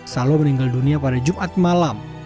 salo meninggal dunia pada jumat malam